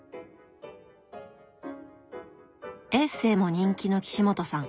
エッセーも人気の岸本さん。